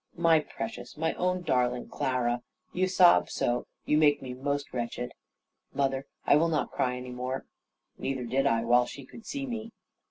"My precious, my own darling Clara, you sob so, you make me most wretched." "Mother, I will not cry any more;" neither did I, while she could see me.